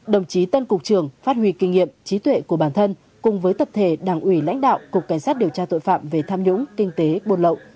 đồng chí tân cục trưởng phát huy kinh nghiệm trí tuệ của bản thân cùng với tập thể đảng ủy lãnh đạo cục cảnh sát điều tra tội phạm về tham nhũng kinh tế buôn lậu